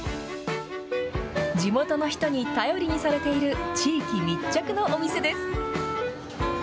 地元の人に頼りにされている地域密着のお店です。